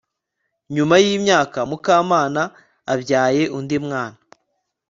nyuma y'imyaka mukamana abyaye undi mwana